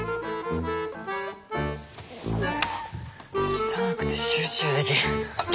汚くて集中できん。